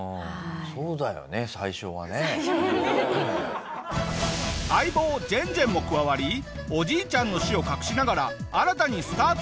そうだよね最初はね。最初はね。相棒ジェンジェンも加わりおじいちゃんの死を隠しながら新たにスタートした東東。